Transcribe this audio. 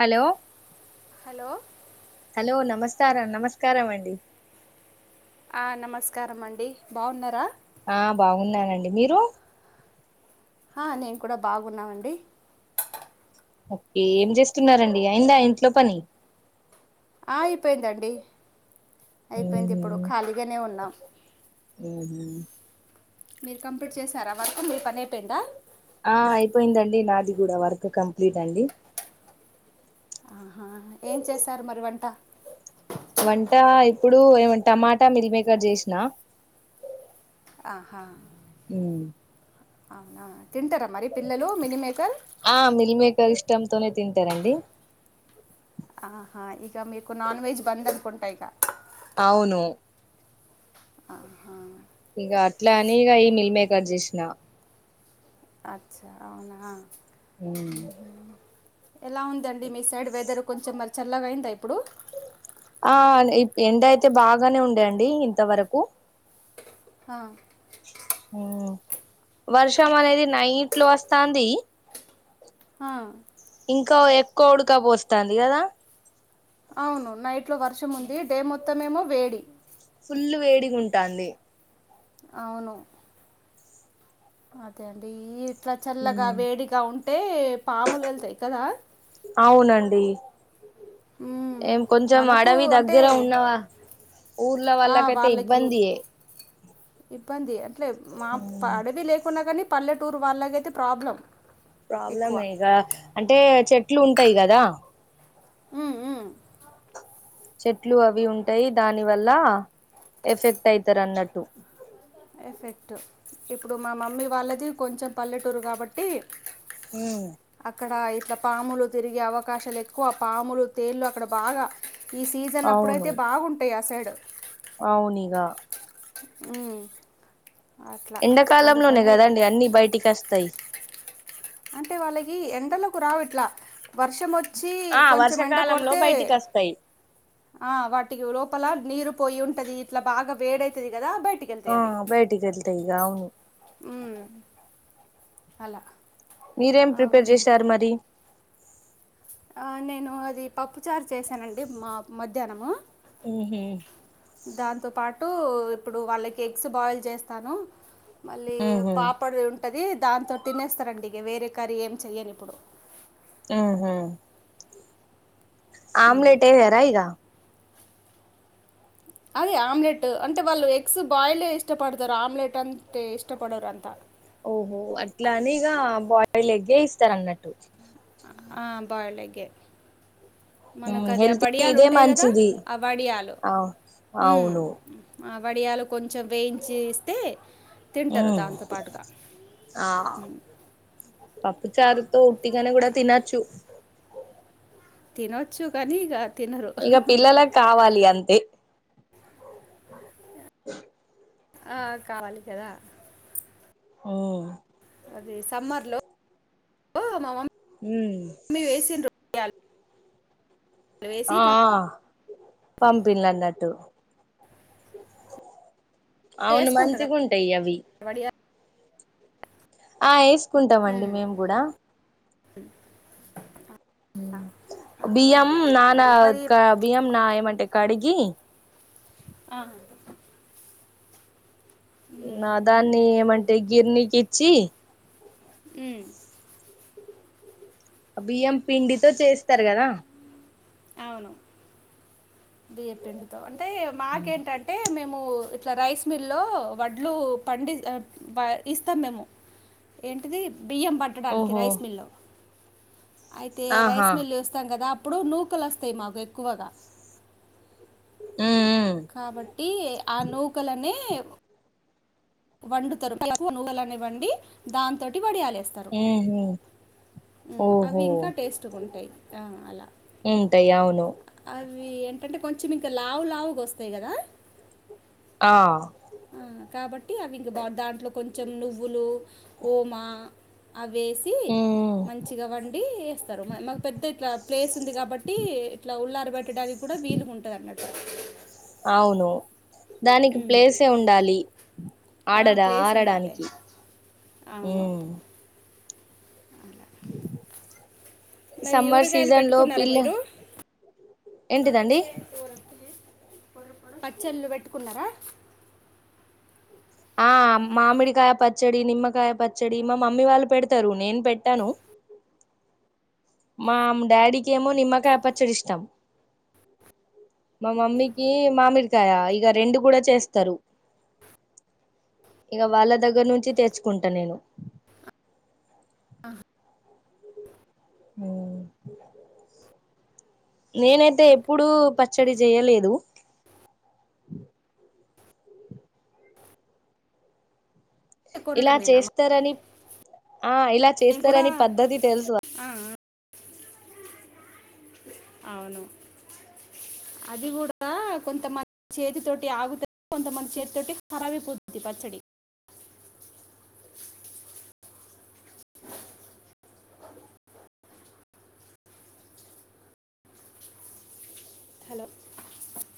Hello hello hello నమస్తే సరే నమస్కార అండి ఆ నమస్కారం అండి బాగున్నారా ఆ బాగున్నానండి మీరు ఆ నేను కూడా బాగున్నామండి ఓకే ఏం చేస్తున్నారండి అయిందా ఇంట్లో పని ఆ అయిపోయిందండీ అయిపోయింది ఇప్పుడు ఖాళీగానే ఉన్నాం మీరు కంప్లీట్ చేసారా వర్క్ మీ పని అయిపోయిందా ఆ అయిపోయిందండి నాది కూడా వర్క్ కంప్లీట్ అండి ఆహా ఏం చేశారు మరి వంట వంట ఇప్పుడు ఏమ టమాటా మిల్క్ మేకర్ చేసిన ఆహా ఉ అవునా తింటారా మరి పిల్లలు మిల్ మేకర్ తొనై తింటారండి ఆహా ఇక మీకు నాన్ వెజ్ బంద్ అనుకుంటా ఇక అవును ఇక అట్లా అని ఇక ఈ మిల్ మేకర్ చేసిన అచా అవునా అ ఎలా ఉందండి మీ సైడ్ వెదర్ కొంచెం మరి చల్లగా అయిందా ఇప్పుడు ఆ ఎండ అయితే బాగానే ఉండేయండి ఇంతవరకు హా ఊ వర్షం అనేది నైట్లో వస్తాంది. ఆ ఇంకా ఎక్కో ఉడక పోస్తంది కదా. అవును నైట్లో వర్షం ఉంది డే మొత్తమేమో వేడి. ఫుల్లు వేడిగుంటాంది. అవును అదే అండి ఈడ్ అట్లా చల్లగా వేడిగా ఉంటే పాములు ఎళ్తాయి కదా అవునండి మ్మ్. ఏం కొంచెం మనకు అడవి అంటే దగ్గర ఉన్నవా ఊర్ల ఆ, వాళ్లకయితే వాళ్ళకి ఇబ్బంది ఏ ఇబ్బంది ఏ అంటలే మా అడవి లేకున్నా కానీ పల్లెటూరు వాళ్ళకైతే ప్రాబ్లం. ప్రాబ్లం ఎక్కువ ఏ ఇక అంటే చెట్లు ఉంటయి కదా. ఊ ఉ చెట్లు అవి ఉంటాయి దాని వల్ల ఎఫెక్ట్ అయితరు అన్నట్టు ఎఫెక్టు ఇప్పుడు మా మమ్మీ వాళ్ళది కొంచెం పల్లెటూరు కాబట్టి ఊ అక్కడ ఇట్లా పాములు తిరిగే అవకాశాలు ఎక్కువ పాములు తేళ్లు అక్కడ బాగా ఈ సీజన్ అవును అప్పుడయితే బాగుంటాయి ఆ సైడ్ అవునిగా ఊ ఎండకాలంలోనే కదండి అన్ని బయటికస్తయి అంటే వాళ్ళకి ఎండలకు రావు ఇట్లా వర్షమొచ్చి ఆ కొంచెం ఎండ వర్షాకాలంలో కొడితే బయటికి వస్తాయి ఆ వాటికి లోపల నీరు పోయి ఉంటది ఇట్లా బాగా వేడైతది కద బైటికెళ్తయ్ ఆ అవి బయటికి వెళ్తాయి ఇక అవును అలా మీరేం ఆ, ప్రిపేర్ ఉమ్, చేశారు మరి ఆ నేను అది పప్పు చారు చేసానండి మా మధ్యాహ్నము. ఊహు దాంతో పాటు ఇప్పుడు వాళ్ళకి ఎగ్స్ బాయిల్ చేస్తాను. మళ్ళీ ఉహు పాపడు ఉంటది దాంతో తినేస్తారండి ఇక వేరే కర్రీ ఏం చెయను ఇప్పుడు ఊహు ఆమ్లేట్ ఏయరా ఇగ అదే ఆమ్లెట్ అంటే వాళ్ళు ఎగ్స్ బాయిల్డ్ ఏ ఇష్టపడతారు ఆమ్లెట్ అంటే ఇష్టపడరు అంతా ఓహో అట్లాని ఇక బాయిల్ ఎగ్గే ఇస్తరు అన్నట్టు ఆ బాల్డ్ ఎగ్గే ఉమ్ మనకు అవి అ హెల్త్ కి బడియాలు ఇదే ఉంటాయి కదా మంచిది అ వడియాలు ఆ ఊ అవును ఆ వడియాలు కొంచెం వేయించి ఇస్తే తింటరు ఉమ్ దాంతో పాటుగా ఆ ఊ పప్పు చారుతో ఉటిగనే కూడ తినచ్చు తినొచ్చు కానీ ఇగ ఇగ పిల్లలకు కావాలి అంతే ఆ కావాలి కదా ఓ అది సమ్మర్ లో మా మమ్మీ ఉమ్ మమ్మీ వేసిిన రయ ఆ పంపిణలు అన్నట్టు మమ్మీ అవును వేసుకుంటారు మంచిగా ఉంటాయి అవి వడియాలు ఆ వేసుకుంటాంమండి ఉమ్. మేము కూడా ఆహా. బియ్యం మరి మరి నానక బియ్యం నా ఏమంటే కడిగి ఆ నా ఉమ్. దాన్ని ఏమంటే గిర్నీకి ఇచ్చి హు బియ్యం పిండితో చేస్తారు కదా అవును బియ్య పిండితో అంటే మాకేంటంటే మేము ము ఇట్లా రైస్ మిల్లో వడ్లు పండి ఇస్తాము మేము ఏంటిది బియ్యం పట్టడానికి ఓహో రైస్ మిల్ లో అయితే రైస్ ఆహా మిల్ వేస్తాం కదా అప్పుడు నూకలు వస్తాయి మాకు ఎక్కువగా ఉమ్ కాబట్టి ఆ నూకలనే వండుతరు నువ్్వలని వండి దాని తోటి వడియాలు పెడ ఉహు అవి ఓహో ఇంకా టేస్ట్గా ఉంటాయి ఆ అలా ఉంటాయి అవును అవి అవి ఏంటంటే కొంచెం ఇంకా లావు లావుగా వస్తాయి కదా ఆ ఆ, కాబట్టి అవి ఇంక బా దాంట్లో కొంచెం నువ్వులు ఓమా అవేసి ఉమ్ మంచిగా వండి వేస్తారు మాకు పెద్దగా ఇట్లా ప్లేస్ ఉంది కాబట్టి ఇట్లా ఉల్లార పెట్టడానికి కూడా వీలుగా ఉంటాది అన్నట్టు అవును దానికి ఉమ్, ప్లేసే ఉండాలి ఆ, ఆడడా ప్లేస్ ఉండాలి ఆడడానికి హు అవును ఓ మరి సమ్మర్ ఊరగాయలు సీజన్లో పెట్టుకున్నారా పిల్ల మీరు ఏంటిదండి పచ్చళ్లు పెట్టుకున్నారా ఆ మామిడికాయ పచ్చడి నిమ్మకాయ పచ్చడి మా మమ్మీ వాళ్ళు పెడతారు నేను పెట్టను అ మా డాడికి ఏమో నిమ్మకాయ పచ్చడి ఇష్టం మా మమ్మీకి మామిడికాయ ఇగ రెండు కూడా చేస్తారు ఇక వాళ్ళ దగ్గర నుంచి తెచ్చుకుంటా నేను ఆ హు నేనైతే ఎప్పుడు పచ్చడి చేయలేదు ఇలా కొనడమేనా చేస్తారని ఆ ఇలా నేను కూడా చేస్తారని పద్ధతి తెలుసు ఆ, ఆ, అవును అది కూడా కొంతమంది చేతితోటి ఆగుత కొంతమంది చేతితోటి ఖరాబైపోతుంది పచ్చడి హలో